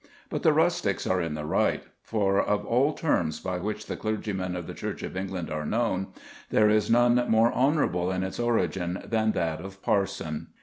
But the rustics are in the right, for of all terms by which clergymen of the Church of England are known, there is none more honourable in its origin than that of parson.